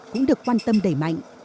cũng được quan tâm đẩy mạnh